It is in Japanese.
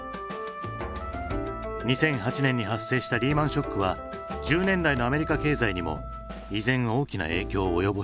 ２００８年に発生したリーマンショックは１０年代のアメリカ経済にも依然大きな影響を及ぼしていた。